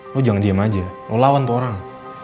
lo jangan diem aja mau lawan tuh orang